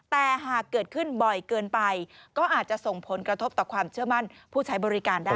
แต่หากเกิดขึ้นบ่อยเกินไปก็อาจจะส่งผลกระทบต่อความเชื่อมั่นผู้ใช้บริการได้